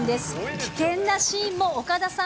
危険なシーンも岡田さん